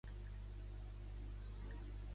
Bahrain, Kuwait, Oman, Qatar i Aràbia Saudita.